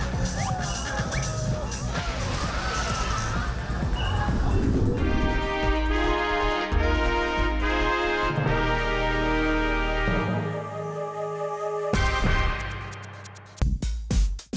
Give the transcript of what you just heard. ติดตามเปิดโลกเศรษฐกิจนะครับ